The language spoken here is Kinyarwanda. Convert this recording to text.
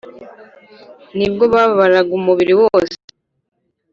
ni bwo wababaraga umubiri wose